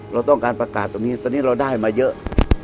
เราต้องการประกาศตรงนี้ตอนนี้เราได้มาเยอะ